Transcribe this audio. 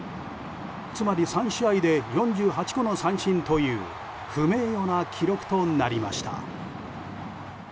つまり３試合で４８個の三振という不名誉な記録となりました。